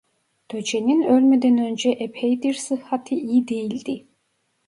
Doçe'nin ölmeden önce epeydir sıhhati iyi değildi.